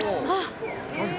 あっ。